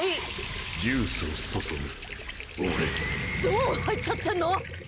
ゾーン入っちゃってんの！？